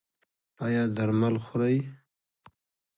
ایا درمل خورئ؟